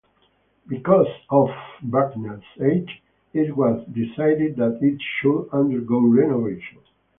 Because of Bracknell's age, it was decided that it should undergo renovation.